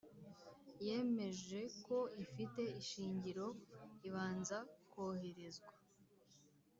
yemeje ko ifite ishingiro ibanza koherezwa